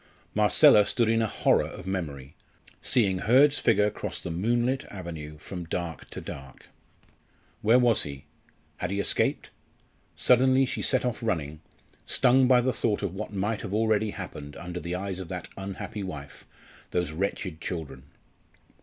Marcella stood in a horror of memory seeing Hurd's figure cross the moonlit avenue from dark to dark. Where was he? Had he escaped? Suddenly she set off running, stung by the thought of what might have already happened under the eyes of that unhappy wife, those wretched children.